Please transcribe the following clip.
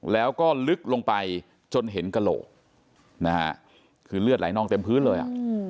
แล้วก็ลึกลงไปจนเห็นกระโหลกนะฮะคือเลือดไหลนองเต็มพื้นเลยอ่ะ